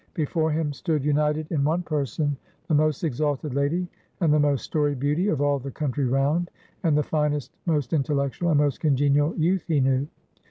Before him stood united in one person, the most exalted lady and the most storied beauty of all the country round; and the finest, most intellectual, and most congenial youth he knew.